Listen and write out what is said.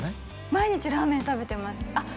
毎日ラーメン食べてますあっ